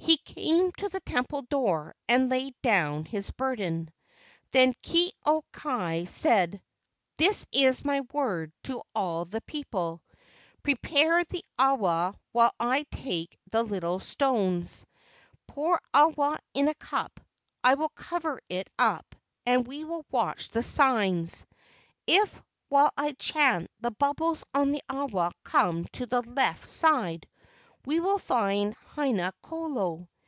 He came to the temple door and laid down his burden. Then Ke au kai said: "This is my word to all the people: Prepare the awa while I take the little stones, pour awa into a cup: I will cover it up and we will watch the signs. If, while I chant, the bubbles on the awa come to the left side, we will find Haina kolo.